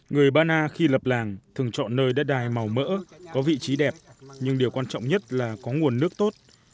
người ba na khi lập làng thường chọn nơi đất đai màu mỡ có vị trí đẹp nhưng điều quan trọng nhất là có nguồn nước tốt